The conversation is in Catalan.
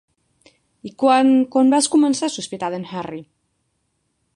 I quan... Quan vas començar a sospitar d'en Harry?